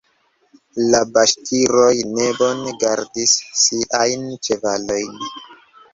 La baŝkiroj ne bone gardis siajn ĉevalojn.